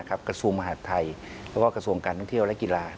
กระสูงมหาศไทยและกระสูงการเที่ยวและกีฬา